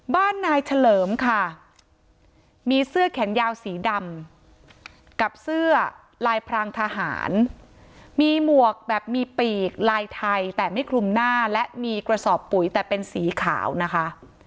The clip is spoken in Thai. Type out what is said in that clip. บ้านนายเฉลิมค่ะมีเสื้อแขนยาวสีดำกับเสื้อลายพรางทหารมีหมวกแบบมีปีกลายไทยแต่ไม่คลุมหน้าและมีกระสอบปุ๋ยแต่เป็นสีขาวนะคะ